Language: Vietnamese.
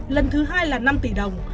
lần thứ hai là năm tỷ đồng